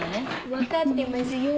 分かってますよーだ。